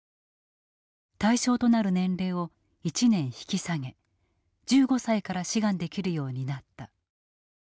対象となる年齢を１年引き下げ１５歳から志願できるようになった。